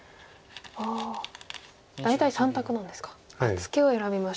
ツケを選びました。